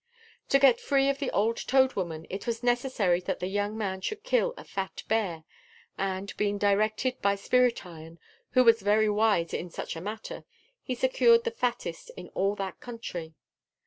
To get free of the old Toad Woman, it was necessary that the young man should kill a fat bear; and, being directed by Spirit Iron, who was very wise in such a matter, he secured the fattest in all that country.